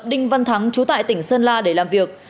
đinh văn thắng chú tại tỉnh sơn la để làm việc